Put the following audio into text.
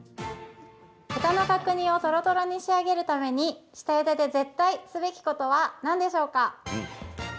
豚の角煮をとろとろに仕上げるために下ゆでで絶対すべきことは何でしょうか？